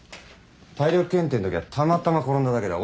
体力検定んときはたまたま転んだだけだ。